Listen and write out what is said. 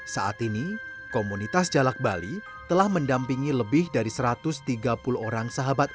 saat ini komunitas jalakbali telah mendampingi lebih dari satu ratus tiga puluh orang